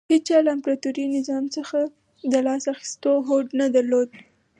هېچا له امپراتوري نظام څخه د لاس اخیستو هوډ نه درلود